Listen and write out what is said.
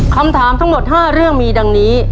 คำถามทั้งหมด๕เรื่องมีดังนี้